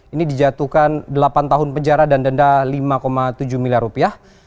ini dijatuhkan delapan tahun penjara dan denda lima tujuh miliar rupiah